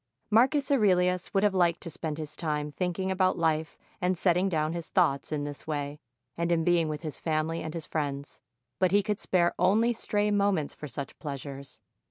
Marcus Aurelius would have liked to spend his time thinking about life and setting down his thoughts in this way and in being with his family and his friends; but he could spare only stray moments for such pleasures.